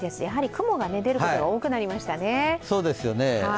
やはり雲が出ることが多くなりましたよね。